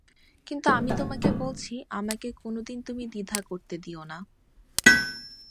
কিন্তু আমি তোমাকে বলছি আমাকে কোনোদিন তুমি দ্বিধা করতে দিয়ো না।